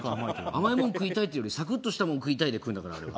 甘いもん食いたいっていうよりサクッとしたもん食いたいで食うんだからあれは。